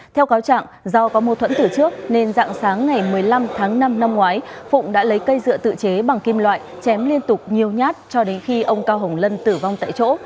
theo cáo trạng do có mô thuẫn tử trước nên dạng sáng ngày một mươi năm tháng năm năm ngoái phụng đã lấy cây dựa tự chế bằng kim loại chém liên tục nhiều nhát cho đến khi ông cao hồng lân tử vong tại chỗ